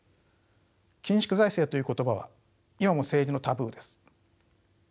緊縮財政という言葉は今も政治のタブーです。